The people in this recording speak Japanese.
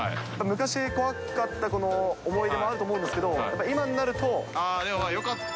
昔、怖かった思い出もあると思うんですけど、やっぱり今になると。